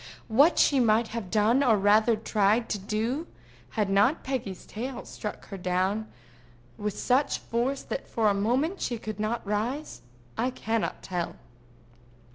What she might have done, or rather tried to do, had not Peggy's tail struck her down with such force that for a moment she could not rise, I cannot tell.